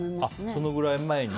そのぐらい前に。